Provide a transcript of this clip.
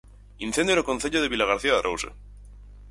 Incendio no concello de Vilagarcía de Arousa.